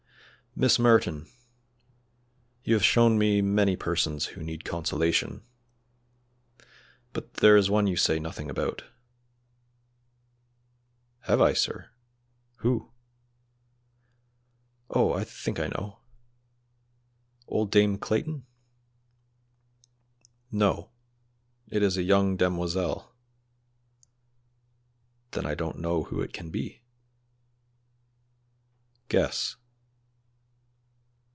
"Miss Merton, you have shown me many persons who need consolation, but there is one you say nothing about." "Have I, sir? Who? Oh, I think I know. Old Dame Clayton?" "No, it is a young demoiselle." "Then I don't know who it can be." "Guess."